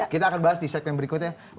kita akan bahas di segmen berikutnya